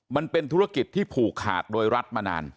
มันเป็นธุรกิจที่ผูกขาดโดยรัฐมานาน